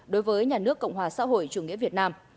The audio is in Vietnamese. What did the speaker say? đối với nhà nước cộng hòa xã hội chủ nghĩa việt nam